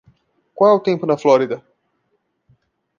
Qual é o tempo na Flórida?